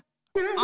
あ！